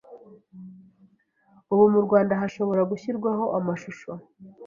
ubu mu Rwanda hashobora gushyirwaho amashusho